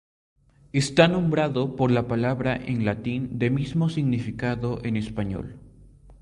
Está nombrado por la palabra en latín de mismo significado en español.